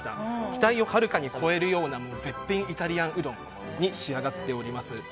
期待をはるかに超えるような絶品イタリアンうどんに仕上がっております。